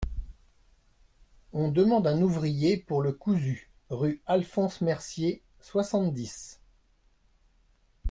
On demande un ouvrier pour le cousu, rue Alphonse-Mercier, soixante-dix.